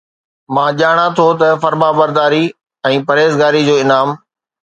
مان ڄاڻان ٿو فرمانبرداري ۽ پرهيزگاري جو انعام